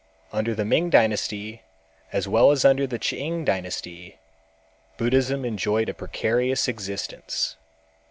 Under the Ming dynasty, as well as under the Ch'ing dynasty, Buddhism enjoyed a precarious existence.